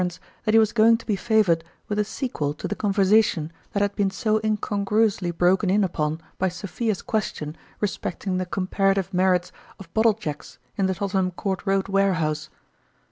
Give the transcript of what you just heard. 119 ence that he was going to be favored with the sequel to the conversation that had been so incongruously broken in upon by Sophia's question respecting the comparative merits of bottle jacks in the Tottenham Court Road warehouse.